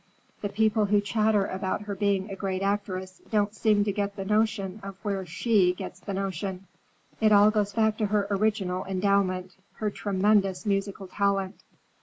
The people who chatter about her being a great actress don't seem to get the notion of where she gets the notion. It all goes back to her original endowment, her tremendous musical talent.